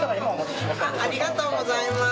ありがとうございます。